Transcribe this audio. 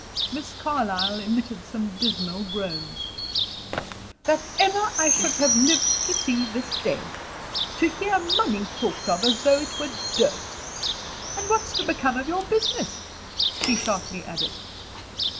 Miss Carlyle emitted some dismal groans. "That ever I should have lived to see this day! To hear money talked of as though it were dirt. And what's to become of your business?" she sharply added.